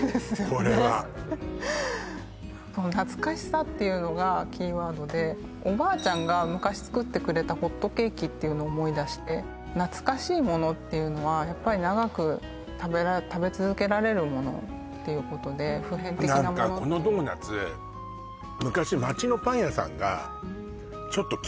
これは懐かしさっていうのがキーワードでおばあちゃんが昔作ってくれたホットケーキっていうのを思い出して懐かしいものっていうのはやっぱり長く食べ続けられるものっていうことで普遍的なものっていう何かこのドーナツあそうですね